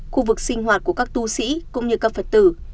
khu vực sinh hoạt của các tu sĩ cũng như các phật tử